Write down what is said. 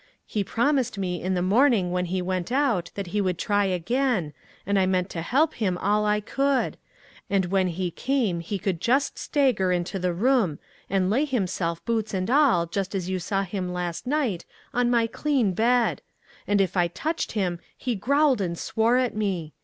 He promised me in the morning when he went out that he would try again, and I meant to help him all I could ; and when he came he could just stagger into the room, and lay himself, boots and all, just as you saw him last night, on my clean bed ; and if I "WHAT is THE USE?" 205 touched him, he growled and swore at me.